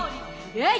えい！